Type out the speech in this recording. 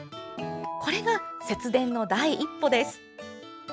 これが、節電の第一歩です。